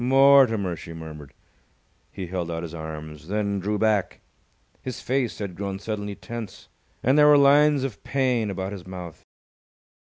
"Mortimer!" she murmured. He held out his arms, then drew back. His face had grown suddenly tense, and there were lines of pain about his mouth.